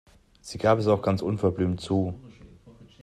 Sie gab es auch ganz unverblümt zu.